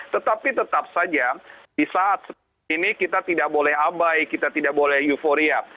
tetapi tetap saja di saat ini kita tidak boleh abai kita tidak boleh euforia